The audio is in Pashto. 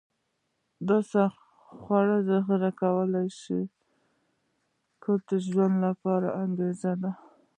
د خوړو ذخیره کول ښایي د ګډ ژوند لپاره انګېزه وي